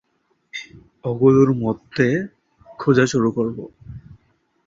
ওগুলোর মধ্যে খোঁজা শুরু করবো?